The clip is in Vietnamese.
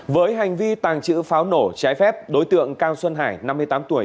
với hành vi tàng trữ pháo nổ trái phép đối tượng cao xuân hải năm mươi tám tuổi